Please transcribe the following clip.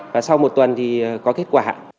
và sau một tuần thì có kết quả